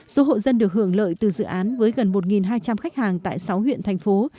số hộ dân được hưởng lợi từ dự án với gần một hai trăm linh khách hàng tại sáu huyện thành phố